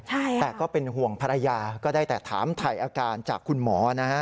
แต่ก็เป็นห่วงภรรยาก็ได้แต่ถามถ่ายอาการจากคุณหมอนะฮะ